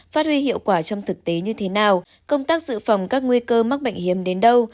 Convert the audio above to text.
phát huy hiệu quả trong thực tế như thế nào công tác dự phòng các nguy cơ mắc bệnh hiếm đến đâu